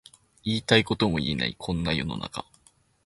言いたいことも言えないこんな世の中